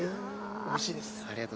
おいしいです。